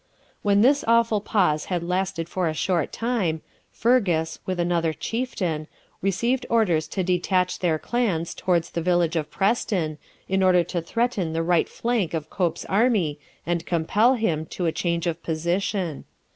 When this awful pause had lasted for a short time, Fergus, with another chieftain, received orders to detach their clans towards the village of Preston, in order to threaten the right flank of Cope's army and compel him to a change of position.